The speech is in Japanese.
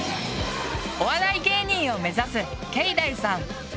お笑い芸人を目指すけいだいさん。